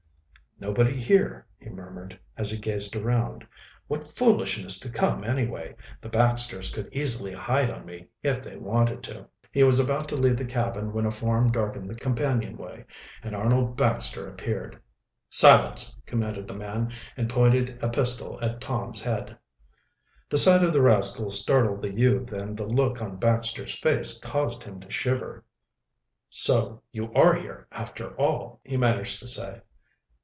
"Nobody here," he murmured, as he gazed around. "What foolishness to come, anyway! The Baxters could easily hide on me, if they wanted to." He was about to leave the cabin when a form darkened the companion way, and Arnold Baxter appeared. "Silence!" commanded the man, and pointed a pistol at Tom's head. The sight of the rascal startled the youth and the look on Baxter's face caused him to shiver. "So you are here, after all," he managed to say.